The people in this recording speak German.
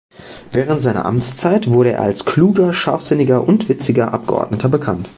Während seiner Amtszeit wurde er als kluger, scharfsinniger und witziger Abgeordneter bekannt.